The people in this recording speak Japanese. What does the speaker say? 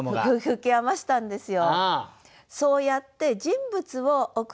吹き余したんですよ。